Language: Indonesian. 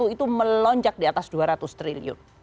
dua ribu dua puluh satu itu melonjak di atas dua ratus triliun